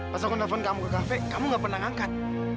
pas aku nelfon kamu ke kafe kamu gak pernah ngangkat